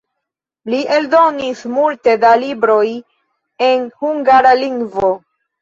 Li eldonis multe da libroj en hungara lingvo.